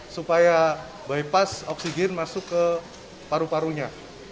supaya bypass oksigen masuk ke paru parunya